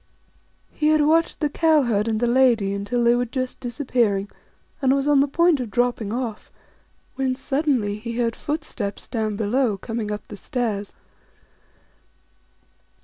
He had watched the Cow herd and the Lady 2 until they were just disappearing, and was on the point of dropping off, when suddenly he heard foot steps down below coming up the stairs.